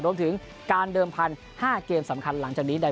รวมถึงผ่าน๕เกมสำคัญหลังจากนี้